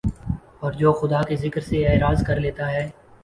اور جو خدا کے ذکر سے اعراض کر لیتا ہے